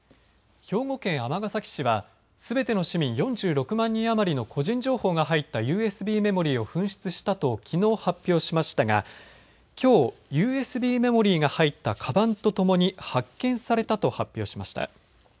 兵庫県尼崎市はすべての市民４６万人余りの個人情報が入ったＵＳＢメモリーを紛失したときのう発表しましたがきょうＵＳＢメモリーが入ったかばんとともに発見されたと発表しました。